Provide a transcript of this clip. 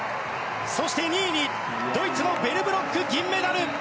そして、２位にドイツのベルブロック、銀メダル。